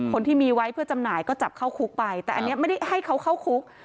คนที่มีไว้เพื่อจำหน่ายก็จับเข้าคุกไปแต่อันนี้ไม่ได้ให้เขาเข้าคุก